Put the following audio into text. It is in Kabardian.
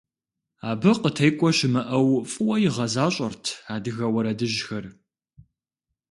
Абы къытекӀуэ щымыӀэу фӀыуэ игъэзащӀэрт адыгэ уэрэдыжьхэр.